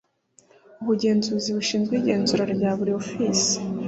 ubugenzuzi bushinzwe igenzura rya buri afos